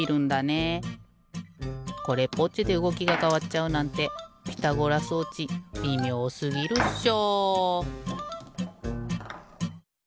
これっぽっちでうごきがかわっちゃうなんてピタゴラ装置びみょうすぎるっしょ。